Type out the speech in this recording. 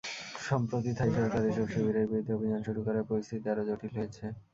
সম্প্রতি থাই সরকার এসব শিবিরের বিরুদ্ধে অভিযান শুরু করায় পরিস্থিতি আরও জটিল হয়েছে।